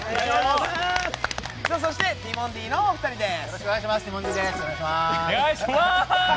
ティモンディのお二人です。